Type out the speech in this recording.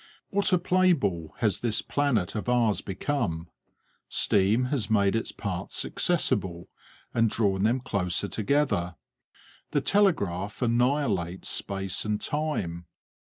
What a play ball has this planet of ours become! Steam has made its parts accessible and drawn them closer together. The telegraph annihilates space and time.